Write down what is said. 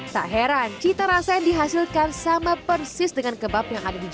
tak heran cita rasa yang dihasilkan sama persis dengan kebab